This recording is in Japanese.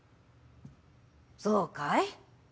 そうかい？